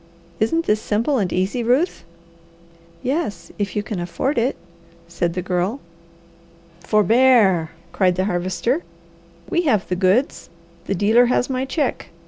Isn't this simple and easy, Ruth?" "Yes, if you can afford it," said the Girl. "Forbear!" cried the Harvester. "We have the goods, the dealer has my check.